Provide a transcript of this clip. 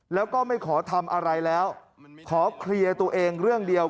แล้วก็ไม่ขอทำอะไรแล้วขอเคลียร์ตัวเองเรื่องเดียว